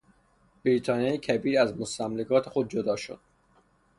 بریتانیای کبیر از مستملکات خود جدا شد.